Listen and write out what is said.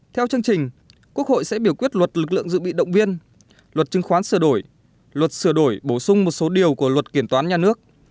theo chương trình quốc hội sẽ biểu quyết luật lực lượng dự bị động viên luật chứng khoán sửa đổi luật sửa đổi bổ sung một số điều của luật kiểm toán nhà nước